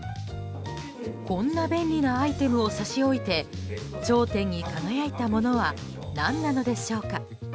こんな便利なアイテムを差し置いて頂点に輝いたものは何なのでしょうか。